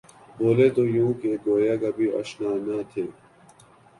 بُھولے تو یوں کہ گویا کبھی آشنا نہ تھے